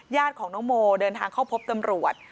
ญาติของน้องโมเดินทางเข้าพบตำรวจ